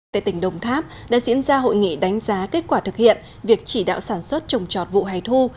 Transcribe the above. tại tỉnh đồng tháp đã diễn ra hội nghị đánh giá kết quả thực hiện việc chỉ đạo sản xuất trồng trọt vụ hải thu